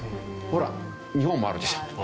ほら日本もあるでしょ。